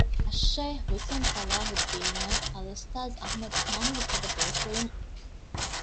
އައްޝައިޚް ޙުސައިން ޞަލާޙުއްދީނާއި އަލްއުސްތާޛް އަޙްމަދު ކާމިލުފަދަ ބޭފުޅުން